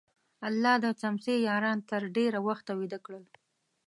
الله د څمڅې یاران تر ډېره وخته ویده کړل.